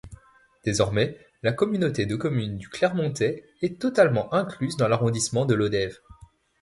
Désormais la communauté de communes du Clermontais est totalement incluse dans l’arrondissement de Lodève.